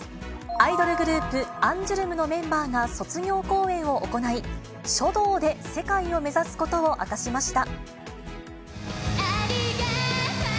アイドルグループ、アンジュルムのメンバーが卒業公演を行い、書道で世界を目指すことを明かしました。